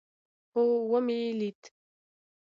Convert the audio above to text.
هو ومې لېد.